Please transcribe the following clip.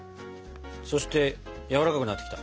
そしてやわらかくなってきた。